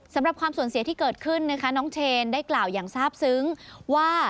สำหรับความสูญเสียที่เกิดขึ้นนะคะน้องเชนได้กล่าวอย่างทราบซึ้งว่า